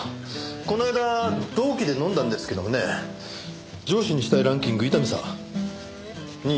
この間同期で飲んだんですけどもね上司にしたいランキング伊丹さん２位でしたよ。